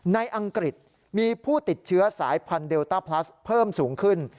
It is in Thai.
อังกฤษมีผู้ติดเชื้อสายพันธุเดลต้าพลัสเพิ่มสูงขึ้น